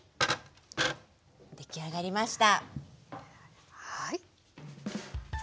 出来上がりました。